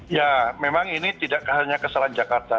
ya memang ini tidak hanya kesalahan jakarta